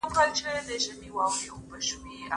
تاسي په خپلو خبرو کي نرمي ساتئ.